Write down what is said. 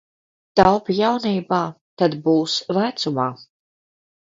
Taupi jaunībā, tad būs vecumā.